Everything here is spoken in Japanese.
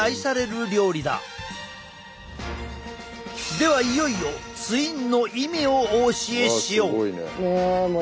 ではいよいよツインの意味をお教えしよう。